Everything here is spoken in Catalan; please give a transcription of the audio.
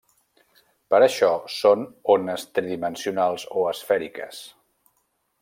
Per això, són ones tridimensionals o esfèriques.